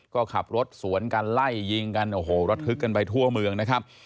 ก็ขับรถสวนกันไล่ยิงกันโอ้โหระทึกกันไปทั่วเมืองนะครับ